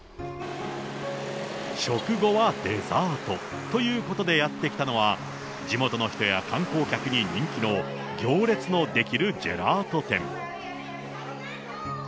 食後はデザートということで、やって来たのは、地元の人や観光客に人気の行列の出来るジェラート店。